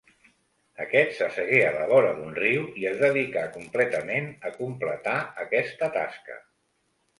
Aquest s'assegué a la vora d'un riu i es dedicà completament a completar aquesta tasca.